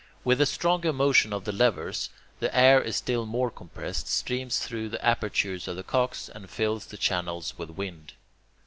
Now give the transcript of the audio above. With a stronger motion of the levers, the air is still more compressed, streams through the apertures of the cocks, and fills the channels with wind.